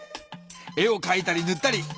絵をかいたりぬったり。